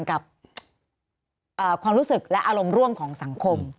กับความรู้สึกและอารมณ์ร่วมของสังคม